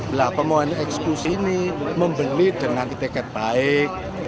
belah pemohon eksekusi ini membeli dengan itiket baik